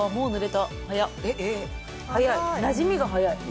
早いなじみが早い。